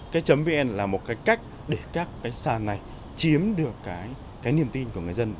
cái vn là một cách để các sản này chiếm được niềm tin của người dân